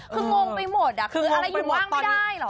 คืองงไปหมดคืออะไรอยู่ว่างไม่ได้เหรอ